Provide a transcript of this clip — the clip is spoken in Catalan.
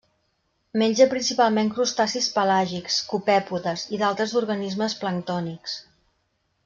Menja principalment crustacis pelàgics, copèpodes i d'altres organismes planctònics.